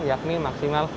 yakni maksimal lima belas